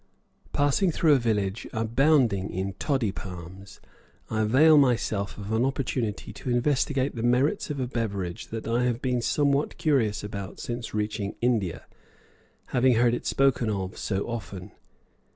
Passing through a village abounding in toddy palms, I avail myself of an opportunity to investigate the merits of a beverage that I have been somewhat curious about since reaching India, having heard it spoken of so often.